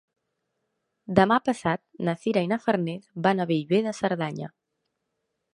Demà passat na Sira i na Farners van a Bellver de Cerdanya.